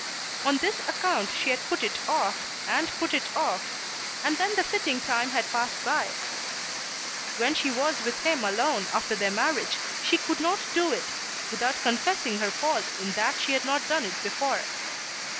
On this account she had put it off, and put it off, and then the fitting time had passed by. When she was with him alone after their marriage she could not do it, without confessing her fault in that she had not done it before.